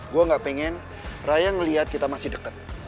gue gak pengen raya ngeliat kita masih deket